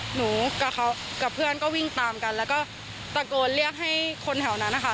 หนูกับเขากับเพื่อนก็วิ่งตามกันแล้วก็ตะโกนเรียกให้คนแถวนั้นนะคะ